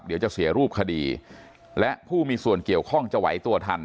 เดี๋ยวจะเสียรูปคดีและผู้มีส่วนเกี่ยวข้องจะไหวตัวทัน